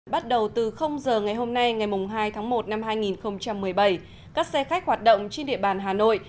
bắt đầu từ giờ ngày hôm nay ngày hai tháng một năm hai nghìn một mươi bảy các xe khách hoạt động trên địa bàn hà nội